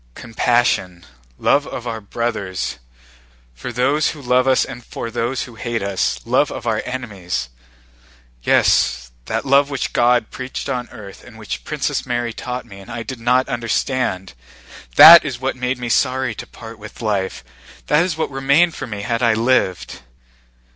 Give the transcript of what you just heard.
"Compassion, love of our brothers, for those who love us and for those who hate us, love of our enemies; yes, that love which God preached on earth and which Princess Mary taught me and I did not understand—that is what made me sorry to part with life, that is what remained for me had I lived.